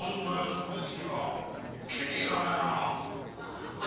その目つきは気に入らねぇな